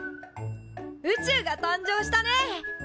宇宙が誕生したね。